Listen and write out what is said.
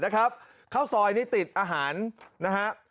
ข้าวซอยนี่ติดอาหารนะฮะ